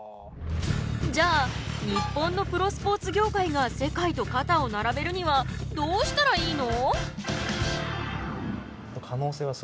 じゃあ日本のプロスポーツ業界が世界と肩を並べるにはどうしたらいいの？